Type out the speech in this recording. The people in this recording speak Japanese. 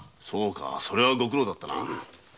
そうかそれはご苦労だったな。